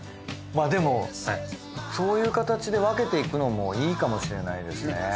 まあでもそういうかたちで分けていくのもいいかもしれないですね。